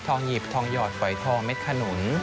หยิบทองหยอดฝอยทองเม็ดขนุน